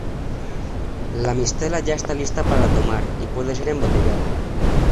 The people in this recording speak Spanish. La mistela ya está lista para tomar, y puede ser embotellada.